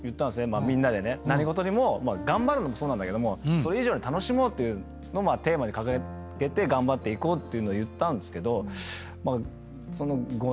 みんなでね何事にも頑張るのもそうなんだけどもそれ以上に楽しもうというのをテーマに掲げて頑張っていこうっていうのを言ったんですけど。